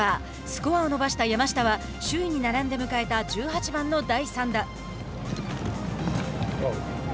スコアを伸ばした山下は首位に並んで迎えた１８番の第３打。